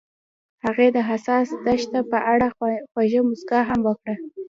هغې د حساس دښته په اړه خوږه موسکا هم وکړه.